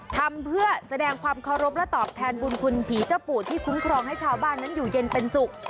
ทำเพื่อแสดงความเคารพและตอบแทนบุญคุณผีเจ้าปู่ที่คุ้มครองให้ชาวบ้านนั้นอยู่เย็นเป็นสุข